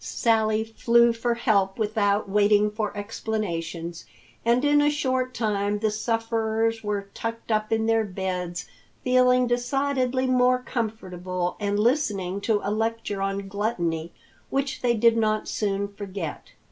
Sally flew for help without waiting for explanations, and in a short time the sufferers were tucked up in their beds, feeling decidedly more comfortable and listening to a lecture on gluttony which they did not soon forget.